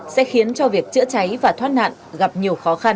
sẽ khiến cho việc chữa cháy và thoát nạn gặp nhiều khó khăn